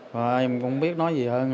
và em cũng không biết nói gì hơn